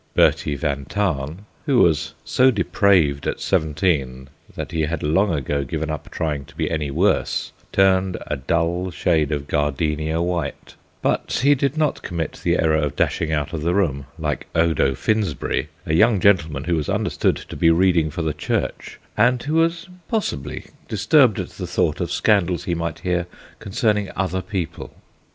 Bertie van Tahn, who was so depraved at seventeen that he had long ago given up trying to be any worse, turned a dull shade of gardenia white, but he did not commit the error of dashing out of the room like Odo Finsberry, a young gentleman who was understood to be reading for the Church and who was possibly disturbed at the thought of scandals he might hear concerning other people.